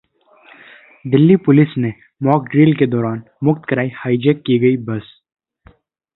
Delhi police ने mock drill के दौरान मुक्त कराई हाईजैक की गई बस